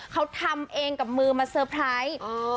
เขาทำเองกับมือมาเซอร์ไพรส์